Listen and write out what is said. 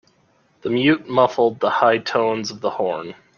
The mute muffled the high tones of the horn.